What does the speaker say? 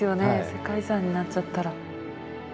世界遺産になっちゃったら。